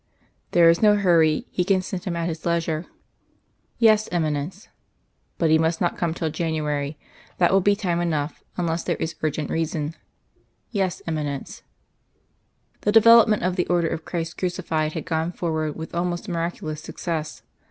"There is no hurry. He can send him at his leisure." "Yes, Eminence." "But he must not come till January. That will be time enough, unless there is urgent reason." "Yes, Eminence." The development of the Order of Christ Crucified had gone forward with almost miraculous success.